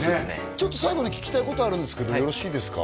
ちょっと最後に聞きたいことあるんですけどよろしいですか？